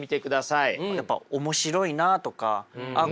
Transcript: やっぱ面白いなとかあっ